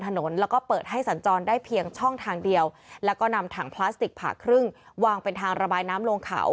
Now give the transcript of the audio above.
ทำถั่งพลาสติกผ่าครึ่งวางเป็นทางระบายน้ำลงเขา